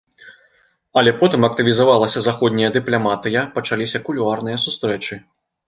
Але потым актывізавалася заходняя дыпламатыя, пачаліся кулуарныя сустрэчы.